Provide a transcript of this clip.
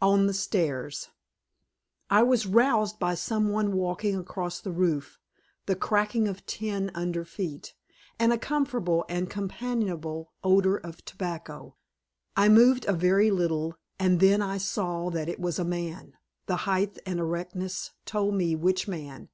ON THE STAIRS I was roused by someone walking across the roof, the cracking of tin under feet, and a comfortable and companionable odor of tobacco. I moved a very little, and then I saw that it was a man the height and erectness told me which man.